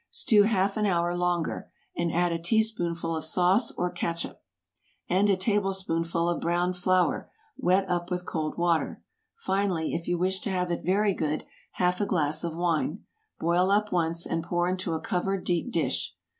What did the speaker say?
Stew half an hour longer, and add a teaspoonful of sauce or catsup, and a tablespoonful of browned flour wet up with cold water; finally, if you wish to have it very good, half a glass of wine. Boil up once, and pour into a covered deep dish.